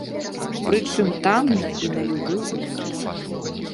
Прычым танна і на любы густ.